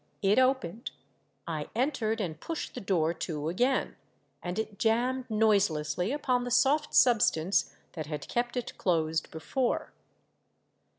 It opened ; I entered and pushed the door to again, and it jammed noiselessly upon the soft substance that had kept it closed before.